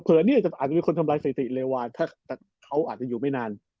เนี่ยอาจจะมีคนทำลายสถิติเลวาถ้าเขาอาจจะอยู่ไม่นาน